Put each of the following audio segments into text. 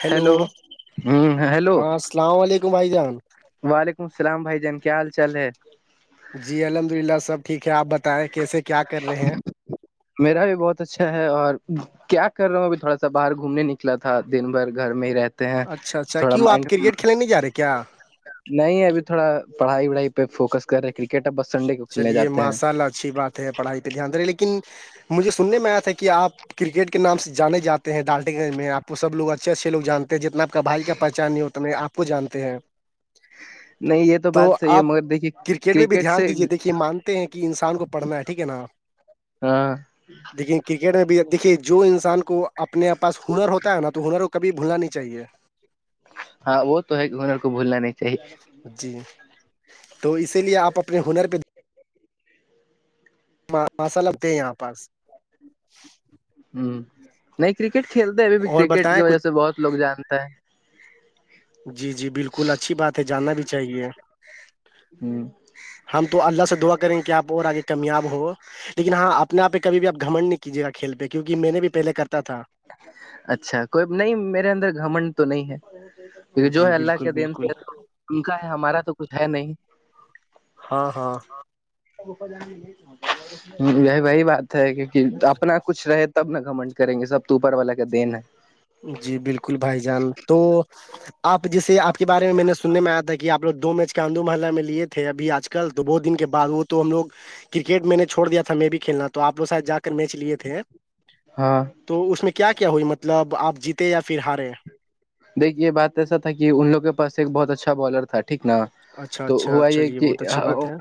Hello ہ hello ہاں السلام علیکم بھائی جان وعلیکم السلام بھائی جان کیا حال چال ہے جی الحمد للہ سب ٹھیک ہے آپ بتائیں کیسے کیا کر رہے ہیں میرا بھی بہت اچھا ہے اور کیا کر رہا ہوں ابھی تھوڑا سا باہر گھومنے نکلا تھا دن بھر گھر میں ہی رہتا اچھا اچھا کیوں آپ کرکٹ کھیلنے جا رہے کیا نہیں ابھی تھوڑا پڑھائی وڑھائی پہ فوکس کر رہے کرکٹ اب بس سنڈے کو کھیلنے چلیے جاتے ہیں ماشاء اللہ اچھی بات ہے پڑھائی پہ دھیانے رہے لیکن مجھے سننے میں آیا تھا کہ آپ کرکٹ کے نام سے جانے جے ہیں ڈالٹے گن میں آپ کو سب لوگ اچھے اچھے لگ جانتے ہیں جتنا بھائی کا پہچان نہیں ہوتا میں آپ کو جانتے ہیں نہیں یہ تو بات صحیح ہے آپ مگر دیکھیے کرکٹ میں بھی دھیان سے دیجیے دیکھیے مانتے ہیں کہ انسان کو پڑھنا ہے ٹھیک ہے نا ہاں لیکن کرکٹ میں بھی دیکھیے جو انسان کو اپنے پاس ہنر ہوتا ہے نا تو ہنر کو کبھی بھولنا نہیں چاہیے [inaudible] ہاں وہ تو ہے ہنر کو بھولنا نہیں چاہیے جی تو اسی لیے آپ اپنے ہنر پہ ماسا لگتے ہیں یہاں پاس ہوں نہیں کرکٹ کھیلتے ابھی بھی اور کرکٹ کی بتائیں وجہ کچھ سے بہت لوگ جانتا ہے جی جی بالکل اچھی بات ہے جاننا بھی چاہیے ہ ہم تو اللہ سے دعا کریں کہ آپ اور آگے کامیاب ہو لیکن ہاں اپنے آپ پہ کبھی بھی آپ گمنڈ نہیں کیجیےا کھیل پہ کیونکہ میں نے بھی پہلے کرتا تھا اچھا کوئی نہیں میرے اندر گھمنڈ تو نہیں ہے کی جو جی ہے اللہ بالکل کے دین بالکل سے ان کا ہمارا تو کچھ ہے نہیں ہاں ہاں یہ وہی بات ہے کیکہ اپنا کچھ رہے تب نا کمنٹ کریں گے سب تو اوپر والا کا دین ہے جی بالکل بھائی جان تو آپ جیسے آپ کے بارے میں میں نے سننے میں آیا تھا کہ کہ آپ لو دو میچ کے آندو محلہ میں لیے تھے اب آج کل تو بہ دن کے بد وہ تو ہم لوگ کرکٹ میں نے چھوڑ د تھا میں بھی کھیلنا تو آپ وہ شاید جا کے میچ لیے تھے ہاں تو اس میں کیا کیا ہوئی مطلب آپ جیتے یا پھر ہارے دیکھی یہ بات ایسا تھا کہ ان لوگوں کے پاس ایک بہت اچھا بالر تھا ٹھیک نا اچھا تو اچھا ہوا یہ چلیے کہ بہت اچھی بات ہے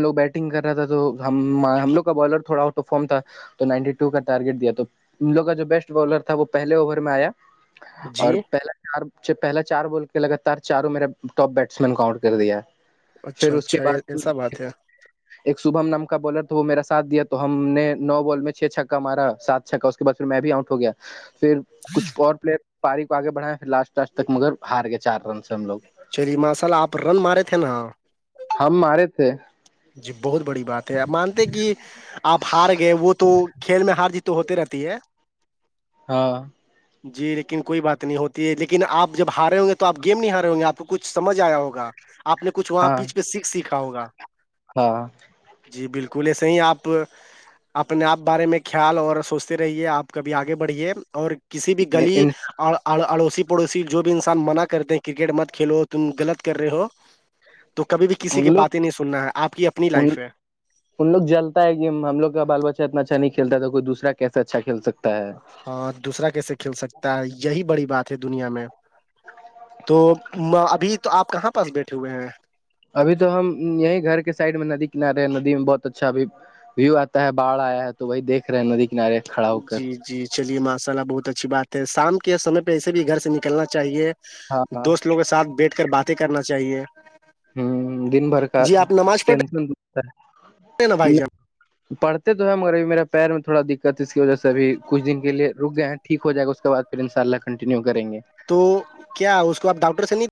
لوگ بیٹنگ کر رہا تھا تو ہم ہم لوگ کا بالر تھوڑا آؤٹ آف فارم تھا تو نائنٹی و کا ٹارگیٹ دیا تو ان لوگ کا جو بیسٹ بالر تھا وہ پہے اوور میں آیا جی اور پہلا چار بول کے لگاتار چاروں میرا ٹاپ بیٹسمین کاؤنٹ کر دیا ہے پھر اچھا اس کے اچھا اے- بعد ایسا بات ہے ایک شبم نم کا بالر تو وہ میرا ساتھ دیا تو ہم نے نو بال میں چھ چھک کا ہمارا ساتھ اچھا اس کے بعد پھر میں بھی آؤٹ ہو گیا پھر کچھ اور پلیئر پاری آگے بڑایا پھر لاسٹاسٹ تک مگر ہاریا چار رن سے ہم لوگ چلیے ماصال آپ رن مارے تھے نا ہم مارے تھے جی بہت بڑی بات ہے آپ مانتے کہ آپ ہار گئے وہ تو کھیل میں ہار جی تو ہوتے رہتی ہے ہاں [inaudible] جی لیکن کوئی بات نہیں ہوتی ہے لیکن آپ جب ہارے ہوں گے تو آ گیم نہیں ہارے ہوں گے آپ کو کچھ سمجھ آیا ہوگا آپ نے کچھ وہاں ہاں پیچ پہ سیکھ سیکھا ہوگا ہاں جی بالکل یہ صح ہی آپ اپنے آپ بارے میں خیال اور سوچتے رہیے آپ کبھی آگے بڑھیے اور کسی بھی گلی اور اڑوسی پڑوسی جو بھی انسان منع کرتے ہیں کرکٹ مت کھیلو تم غلط کر رہے ہو تو کبھی بھی کسی کے ان لوگ باتیں نہیں سننا ہے آپ کی اپنی ان لائف ہے ان لو جلتا ہے کہ ہم لوگ کا بال بچہ اتنا اچھا نہیں کلتا ہے تو کوئی دوسرا کیسے اچھا کل سکتا ہے اور دوسرا کیسے کھیل سکتا ہے یہی بڑی بات ہے دنیا میں تو ابھی تو آپ کہاں پاس بیٹھے ہوئے ہیں ابھی تو ہم یہیں گھر کے سائڈ میں ندی کنارے ہیں ندی میں بہت اچھا ابھی ویو آتا ہے باھ آیا ہے تو وہی دیکھ رہے ہیں ندی کنارے کھڑا ہو کر جی جی چلیے ماشاء اللہ بہت اچھی بات ہے شام کے سمے پہ ایسے بھی گھر سے نکلنا چاہیے ہاں ہاں دوست لوگ کے ساتھ بیٹھ کر باتیں کرنا چاہیے ہ دن بھر کا جی آپ نماز پڑھ ٹن رہے ہیں نا بھائی جان پڑتے تو ہے مگرب میرے پیر میں تھوڑا دکھ اس کی وجہ سے بھی کچھ دن کے لیے رک گئے ہیں ٹھیک ہو جائے گا اس کے بعد پھر انشاء اللہ کنٹینیو کریں گے تو کیا اس کو آپ ڈاکٹر سے نہیں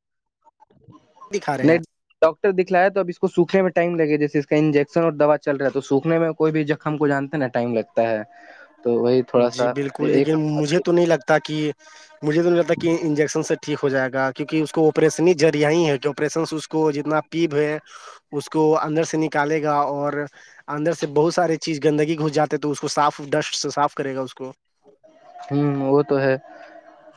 دکھا رہے ہیں نہیں ڈاکٹر دکھیا ہے تو اب اس کو سوکھنے میںٹائم لگے جیسے اس کا انجیکشن اور دوا چل رہا ہے تو سونے میں کوئی بھی ہم کو جانتے ہیں نا ٹائم لگتا ہے تو وہی تھوڑا جی سا بالکل ایک لیکن مجھے تو نہیں لگتا کہ مجھے تو نہیں لگتا کہ انجیکشن سے ٹھیک ہو جائے گا کیونکہ اس کو آپریشنی ذرییاہ ہی ہے کہ آپریشنس اس کو جتنا پیب ہے اس کو اندر سے نکالے گا اور اندر سے بہت سارے چیز گندگی گھس جاتے تو اس کو صاف ڈسٹ سے صاف کرے گا اس کو ہوں وہ تو ہے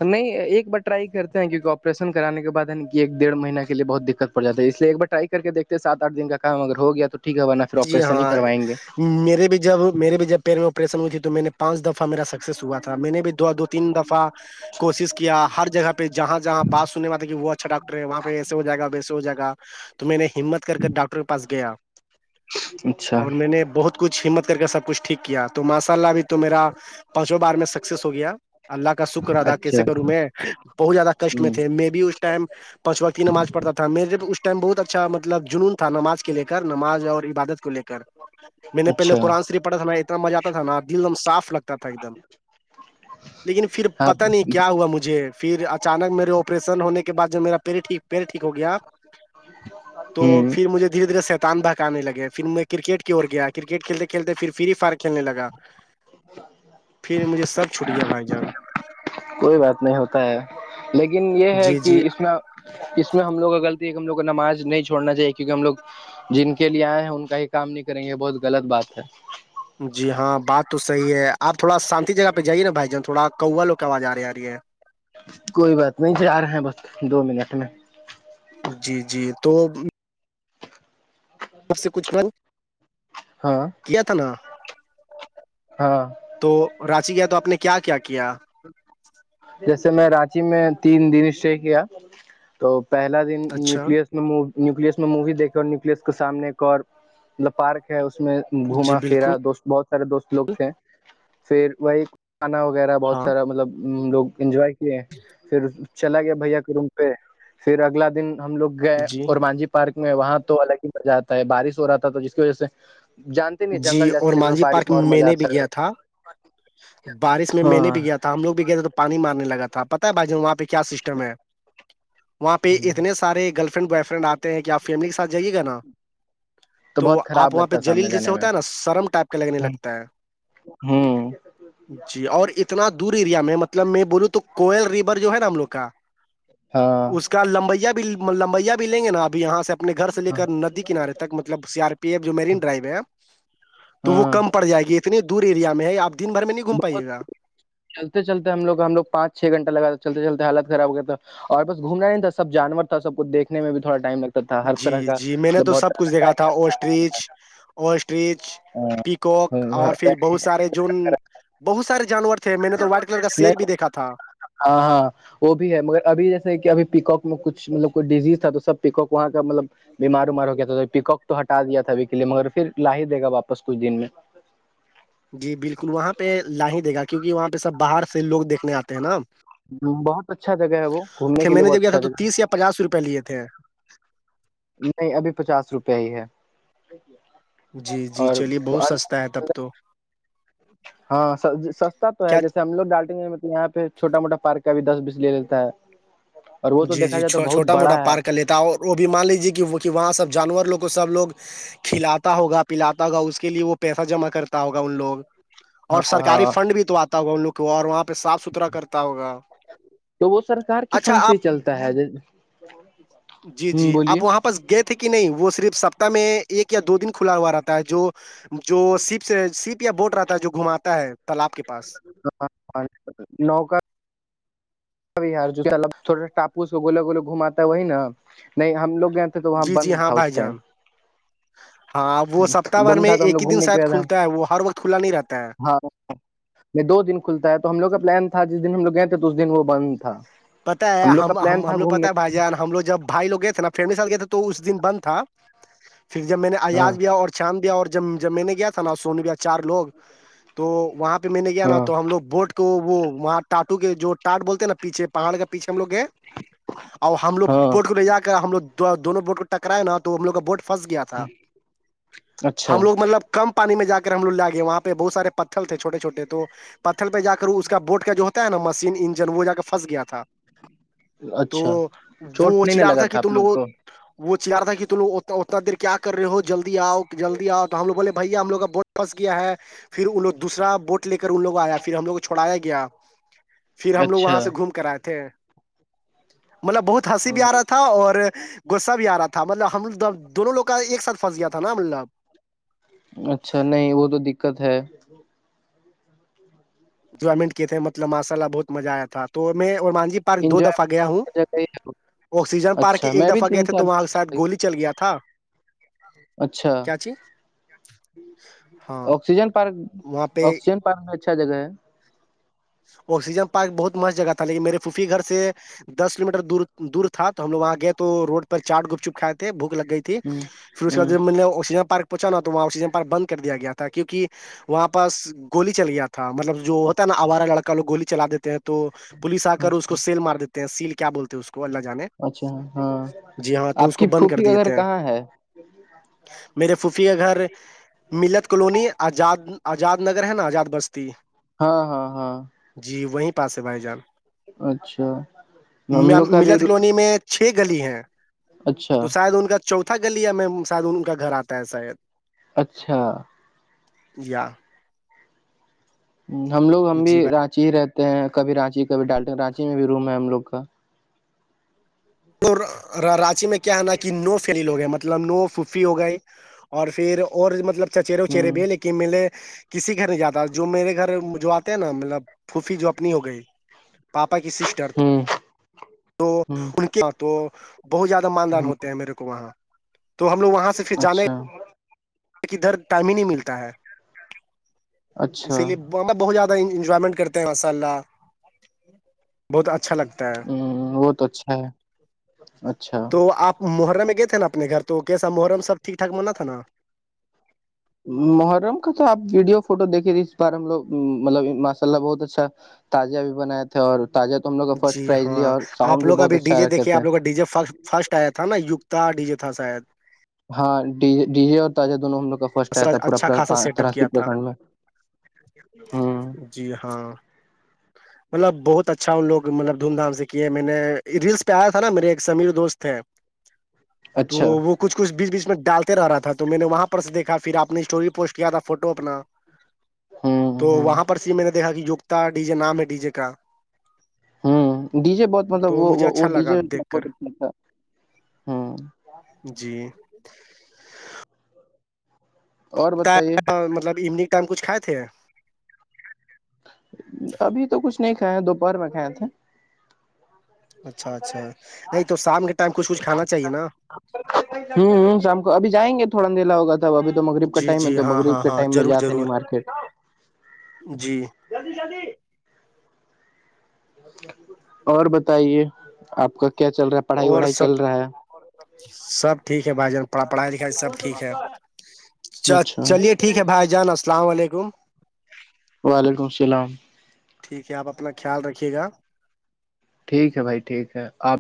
نہیں ایک بار ٹرائی کرتے ہیں کیونکہ آپریشن کرانے کے بع ایک ڈڑھ مہیہ کے لیے بہت دقت جات ہے اس لیے ایک بار رائی کر کے دیکتے ساتٹھ دن کام اگر ہو گیا توٹھیک ہے نا جی ہاں میرے بھی جب میرے بھی جب پیر میں آپریشن ہوئی تھی تو میں نے پانچ دفعہ میرا سکسیس ہوا تھا میں نے بھی دو دو تین دفعہ کوشش کیا ہر جگہ پہ جہاں جہاں بات سننے میں آتا کہ وہ اچھا ڈاکٹر ہے وہاں پہ ایسے ہو جائے گا ویسے ہو جائے گا تو میں نے ہمت کر کے ڈاکٹر کے پاس گیا اچھا اور میں نے بہت کچھ ہمت کر کے سب کچھ ٹھیک کیا تو ماشاء اللہ ابھی تو میرا پانچوں بار میں سکسیس ہو گیا اللہ کا شکر ادا کیسے اچھا کروں میں بہت زیادہ کشٹ میں ہ تھے میں بھی اس ٹائم پانچ وقت کی نماز پڑتا تھا میرے اس ٹائم بہت اچھا مطلب جنون تھا نماز کے لے کر نماز اور عبادت کو لے کر میں نے پہلے اچھا قرآن صرف پڑا تھا نا اتنا مزہ آتا تھا نا دلدم صاف لگتا تھا ایک دم لیکن پھر ہاں پتا نہیں کیا ہوا مجھے پھر اچانک میرے آپریشن ہونے کے بعد جو میرا پیے ٹھیک پڑے ٹھیک ہو گیا تو ہوں پھر مجھے دھیرے دھیرے شیتان بھاگ آنے لگے پھر میں کرکٹ کی اور گیا کرکٹ کھیلتے کھیلتے پھر فری فائر کھیل لگا پھر مجھے سب چھوٹ گیا بھائی جان کوئی بات نہیں ہوتا ہے لیکن یہ ہے جی کہ جی اس میں اس میں ہم لوگ کا غلطی ہے ہم لوگ کو نماز نہیں چھوڑنا چاہیے کیونکہ ہم لوگ جن کے لیے آئے ہیں ان کا ہی کام نہیں کریں گے یہ بہت غلط بات ہے جی ہاں بات تو صحیح ہے آپ تھوڑا شانتی جگہ پہ جائیے نا بھائی جان تھوڑا کوا لوں کی آواز آ رہی آ رہی ہے کوئی بات نہیں ج آ رہے ہیں بس دو منٹ میں جی جی تو سب سے کچھ ف ہاں کیا تھا نا ہاں تو رانچی گیا تو آپ نے کیا کیا کیا جیسے میں رانچی میں تین دن اسٹے کیا تو پہلا دن اچھا نیوکلس اس می نیوکلس میں مووی دیکے اور نیوکلس کے سامنے ایک اور مطلب پارک ہے اس میں جی گھوما بالکل پھرا دوست بہت سارے دوست لوگ تھے پھر وہی کھانا وغیرہ بہت ہاں سارا مطلب لوگ انجوائے کیے پھر چلا گیا بھیا کے روم پہ پھر اگلا دن ہم لوگ گئے جی اور مانجی پارک میں وہاں تو الگ ہی مزہ آتا ہے بارش ہو رہا تھا تو جس کی وجہ سے جانتے نہیں جی جنگل جیسا اور جگہ مانجی بارش پارک اور میں مزہ نے بھی آتا ہے گیا تھا بارش میں میں نے بھی ہاں گیا تھا تو ہم لگ بھی گئے تھ تو پانی مارنے لگ تھا پت ہے بھائی ج وہاں پہ کیا سسٹم ہے وہاں پہ اتنے سارے گلط فنڈ بوائے فرینڈ آتے ہیں کہ آپ فیملی کے ساتھ جائیے گا نا تو بہت آپ خراب وہاں پہ لگتا ہے جلیل سامنے جیے جانے ہوتے میں نا سرم ٹائپ کے لگنے لگتا ہے ہوں جی اور اتنا دور ایریا میں مطلب میں بولوں تو کوئل ریور جو ہے نا ہم لوگ کا ہاں اس کا لمبیا بھی لمبیا بھی لیں گے نا اب یہاں سے نے گھر سے لے ہاں کر ندی کنارے تک مطلب سی آر پی ایف جو میرین ڈرائیو ہے تو وہ ہاں کم پڑ جائے گی اتنے دور ایریا میں ہے آپ دن بھر میں نہیں گھوم پائیے گا چلتے چلتے ہم لوگ ہم لو پانچ چھ گھنٹہ لگا چلتے چلتے حالات خراب ہو گ تھا اور بس گھومنا نہیں تھا سب جانور تھا سب کویکھنے میں بھی تھوڑا ٹائم لگتا تھا ہر جی طرح کا جی میں نے مطلب تو بہت سب طرح کچھ کا دیکھا تھا ٹائمر اوسٹریچ اسٹریچ پیکک اور پھر بہت سارے جو بہت سارے جانور تھے میں نے تو وائٹ کلر کا شیر نہیں بھی دیکھا تھا ہاں ہاں وہ بھی ہے مگر ابھی جیسے کہ ابھی پیکک میں کچھ مطلب کوئی ڈیزیز تھا تو سب پیکک وہاں کا مطلب بیمار ومار ہو کیا تھا تو پکک تو ہٹا دیا تھا ابھی کے لیے مگر پھر لا ہی دےا واپس کچھ دن میں جی بالکل وہاں پہ ل ہی دے گا کیونکہ وہاں پہ سب باہر سے لوگ دیکھنے آتے ہیں نا بہت اچھا جگہ ہے وہ گھومنے تھے کے میں لیے نے جب بہت گیا تھا اچھا تو جگہ تیس یا ہے پچاس روپئے لیے تھے نہیں ابھی پچاس روپیہ ہی ہے جی جی چلیے بہت سستا ہے اور تب تو ہاں سستا تو ہے کیا جیسے ہم لوگ ڈالٹیں گے مطلب یہاں پہ چھوٹا موٹا پارک کا بھی دس بیس لے لیتا ہے اور وہ تو دھا جائے تو بہت بڑا ہے ت وہ بھی مان لیجیے کہ وہ کہ وہاں سب جانور لوگ کو سب لوگ کھلاتا ہوگا پلاتا ہوگا اس کے لیے وہ پیسہ جمع کرتا ہوگا ان لوگ اور ہاں سرکاری ہاں فنڈ بھی تو آتا ہوگا ان لوگ کو اور وہاں پہ صاف ستھرا کرتا ہوگا تو وہ سرکار کے اچھا فنڈ سے ہی آپ چلتا ہے جی جی بولیے اب وہاں پر س گئے تھے کہ نہیں وہ صرف سپتتااہ میں ایک یا دو دن کھلا ہوا رہتا ہے جو جو سپ سے سیپ یا بوٹ رہتا ہے جو گھماتا ہے تالاب کے پاس ہاں نوک ار تھوڑا سا ٹاپو سے گولا گول گھماتا ہے وہی نا نہیں ہم لوگ گئے تھے تو وہاں جی بند جی ہاں تھا اس بھائی ٹائم جان ہاں وہ سپتہ بھر بند میں تھا تو ہم ایک لوگ ہی دن گھومنے شاید گئے کھلتا ہے وہ ہر وقت کھلا نہیں رہتا ہے یہ دو دن کھلتا ہے تو ہم لوگ کا پلان تھا جس دن ہم لوگ گئے تھے تو اس دن وہ بند تھا پتا ہے لوگ کا ہم پلان تھا ہم لوگ پتتا گھومنے ہے بھائی جان ہم لوگ جب ھائی لوگئے تھے نا فیملی ساتھ گئے تھے تو اس دن بند تھا پھر جب میں نے ہاں آزج لیا اور چاند دیا اور جب جب میں نے گیا تھا نا سونی چار لوگ تو وہاں پہ میں نے گیا نا ہاں تو ہم لوگ بوٹ تو وہاں ٹاٹو کے جوٹ بولتے ہیں نا پیچھے پہاڑ کا پیچ ہم لوگ گ اور ہم لوگ ہاں بورٹ کو لے جا کر ہم لوگ دونوں بوٹ کو ٹکراائے نا تو ہم لوگ کا بوٹ پھنس گیا تھا ہم اچھا لوگ مطلب کم پانی میں ج کر ہم لگ لا گے وہاں پہ بہت سارے پتھر تھےھوٹے چوٹے تو پتھر پہ جا کر اس کا بوٹ کا جو ہوتا ہے نا مشین انجن وہ جا کے پنس گیا تھا تو اچھا چوٹ وہ نہیں ن چلا رہا لگا تھا کہ آپ تم لوگ لوگوں کو وہ چیار تھا کہ تم اتنا دیر کیا کر رہے ہو جلدی آؤ جلدی آؤ تو ہم لو بولے بھیا ہم لوگ کا واپس گیا ہے پھر ان لوگ دوسرا بوٹ لے کر ان لوگ آیا پھر ہم لوگ کو چھڑایا گیا پھر ہم لوگ اچھا وہاں سے گھوم کر آئے تھے مطلب بہت ہنسی بھی آ رہا تھا اور غصہ بھی آ رہا تھا مطلب ہمب دونوں لوگ کا ایک ساتھ پھنس گیا تھا نا مطلب اچھا نہیں وہ تو دقت ہے جی انجوائمنٹ کیے مطلب ماشاء ال بہت مزہ آیا تو میں اور مان جی دو انجوائے دفعہ گیا ہوں جگہ ہی ہے۔ آکسیجن پارک کے اچھا ایک میں بھی دفعہ گئے تین تھے چار تو وہاں کے ساید بار- گولی کی چل گیا تھا اچھا کیا چی ہاں آکسیجن پارک وہاں پہ آکسیجن پارک میں اچھا جگہ ہے آکسیجن پارک بہت مست جگہ تھا لیکن میرے فھوفی گھر سے دس کلو میٹر دور دور تھا تو ہم لگ وہاں گئے تو روڈ پر چاٹ گپ چپ کھائے تھے بوک لگ گئی تھی ہ ٹیک پھر کے ہ بعدطلب آکسیجن پارک پچا تو وہاں آکسیجن پار بند کر دیا گیا تھا کیونکہ وہاں پاس گولی چل گیا تھا مطلب جو ہوتا نا آوارا لڑکا گولی چلا دیتے ہیں تو پولیس آ کر اس کو اچھا سیل مار دیتے ہیں سیل کیا بولتے ہیں اس کو اللہ جانے اچھا ہاں جی ہاں تو آپ اس کی کو بند کر پھوفھی کا گھر دیتے ہیں کہاں ہے میرے فھوفی کا گھر ملت کالونی آزاد آزاد نگر ہے نا آزاد بستی ہاں ہاں ہاں جی وہیں پاس ہے بھائی جان اچھا ہم لوگ کا بھی ملت رو- کلونی میں چھ گلی ہیں اچھا تو شاید ان کا چوودہ تھتک گلییا میں سادھ کاا گھر تاا ہے سا ہے اچھا یا ہم لوگ ہم بھی جی بھائی رانچی ہی رہتے ہیں کبھی رانچی کبھی ڈالٹن رانچی میں بھی روم ہے ہم لوگ کا رانچی میں کیا ہے نا کہ نو فیلیل ہو گئے مطلب نو سوفی ہو گئی اور پھر اور مطلب چچرے وچرے ہ بھی لیکن ملے کسی گھر نہیں جاتا جو میرے گھر جو آتے ہیں نا مطلب پھوفی جو اپنی ہو گئی پاپا کی سسٹر تو ہ تو ہ ان کے تو بہت زیادہ ماندان ہوتے ہیں میرے کو وہاں تو ہم لوگ وہاں سے اچھا دھر تائم نہیں ملتا ہے اسی اچھا لیے ہم بہت زیادہ انجوائمنٹ کرتے ہیں ماشاء اللہ بہت اچھا اچھا لگتا ہے ہ وہ تو اچھا ہے اچھا تو آپ محرم میں گئے تھ نا اپنے گھر تو کیسا محرم سبٹھیک ٹھ م ہونا تھا نا محرم کا تو آپ ویڈیو فوٹو دیکھیے اس بار ہم لوگ مطلب ماشاء اللہ بہت اچھا تازیا بھی بنائے تھے اور تج تم لگ جی ہاں آپ لوگ ابھی ڈی جے رکھے دیکھیے تھے آپ لوگ کا ڈی جے فرسٹ آیا تھا نا گتا ڈیجے تھا شاید ہاں ڈی ڈی جے اور تازہ دونوں ہم لوگ کا فسٹ آیا تھا پورا اچھا خاصا سیٹ طر اپ کیا تھا پرکڈ میں جی ہاں مطلب بہت اچھا ان لوگ مطلب دھوم دھام سے کیے میں نے ریلس پہ آیا تھا نا میرے ایک سمیر دوست تھ تو اچھا وہ کچھ کچھ بیچ بیچ میں ڈالتے رہا تھا تو میں نے وہاں پر سے دیکھا پھر آپ نے اسٹوری پوسٹ کیا تھا فوٹو اپنا ہ تو ہ وہاں پر سے میں نے دیکھا کہ کتا ڈی جے نام ہے ڈی جے کا ہ ڈی جے بہت مطلب تو مجھے وہ وہ اچھا ڈی لگا جے دیکھ کر بہت اچھا ل تھا جی اور بتائیے مطلب ایونگ ٹائم کچھائے تھے ابھی تو کچھ نہیں کھاائے ہیں دوپہر میں کھائے تھے اچھا اچھا نہیں تو شام کے ٹائم کچھ کچھ کھانا چاہیے نا ہوں شام کو ابھی جائیں گے تھوڑا نیلا ہوگا تھاب ابھی تو مغرب کا جی ٹائم ہے جی تو ہاں مغرب ہاں کے ہاں ٹائم میں ضرور جاتے نہیں ضرور مارکیٹ جی جلدی جلدی اور بتائیے آپ کا کیا چل رہا ہے پڑھائی اور وڑھائی چل سب رہا ہے سب ٹھیک ہے بھائی جان پڑھائی لکھائی سب ٹھیک ہے اچھا چلیے ٹھیک ہے بھائی جانا السلام علیکم وعلیکم السلام ٹھیک ہے آپ اپنا خیال رکھیے گا ٹھیک ہے بھائی ٹھیک ہے آپ